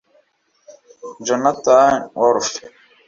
Jonathan Wolfe